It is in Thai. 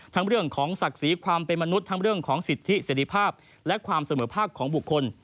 เรื่องของศักดิ์ศรีความเป็นมนุษย์ทั้งเรื่องของสิทธิเสร็จภาพและความเสมอภาคของบุคคล